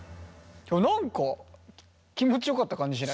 何か気持ちよかった感じしない？